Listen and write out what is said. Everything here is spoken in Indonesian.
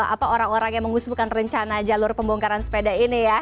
apa orang orang yang mengusulkan rencana jalur pembongkaran sepeda ini ya